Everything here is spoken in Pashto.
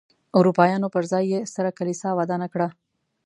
اروپایانو پر ځای یې ستره کلیسا ودانه کړه.